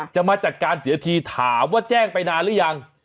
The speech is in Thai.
มาจัดการเสียทีถามว่าแจ้งไปนานหรือยัง